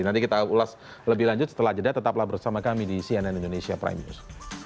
nanti kita ulas lebih lanjut setelah jeda tetaplah bersama kami di cnn indonesia prime news